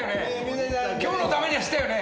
今日のために走ったよね？